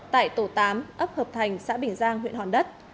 tại tổ tám ấp hợp thành xã bình giang huyện hòn đất